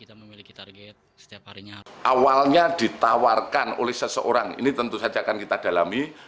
awalnya ditawarkan oleh seseorang ini tentu saja akan kita dalami